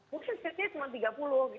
mungkin fitnya cuma tiga puluh gitu loh